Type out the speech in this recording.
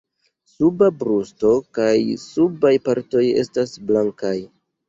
Suba brusto kaj subaj partoj estas blankaj.